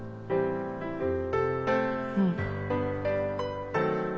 うん。